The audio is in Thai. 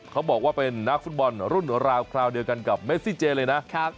เขาบอกว่าเป็นนักฟุตบอลรุ่นราวคราวเดียวกันกับเมซิเจเลยนะ